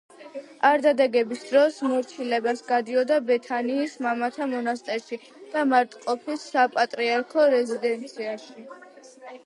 არდადეგების დროს მორჩილებას გადიოდა ბეთანიის მამათა მონასტერში და მარტყოფის საპატრიარქო რეზიდენციაში.